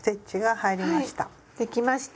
できました！